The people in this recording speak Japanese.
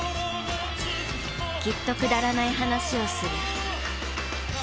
きっとくだらない話をする。